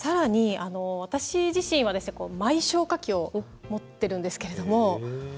さらに、私自身はマイ消火器を持っているんですけども。